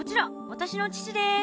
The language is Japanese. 私の父です